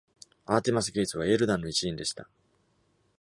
アーティマス・ゲイツはエール団の一員でした。